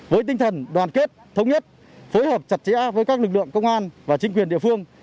với tinh thần đoàn kết thống nhất phối hợp chặt chẽ với các lực lượng công an và chính quyền địa phương